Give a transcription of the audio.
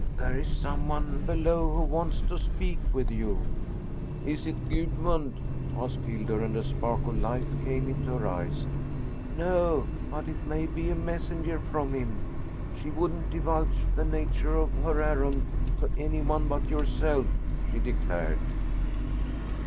"There is some one below who wants to speak with you." "Is it Gudmund?" asked Hildur, and a spark of life came into her eyes. "No, but it may be a messenger from him. She wouldn't divulge the nature of her errand to any one but yourself, she declared."